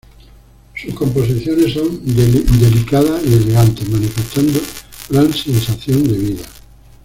Sus composiciones son delicadas y elegantes, manifestando gran sensación de vida.